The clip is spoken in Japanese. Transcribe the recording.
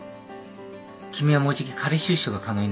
君はもうじき仮出所が可能になる。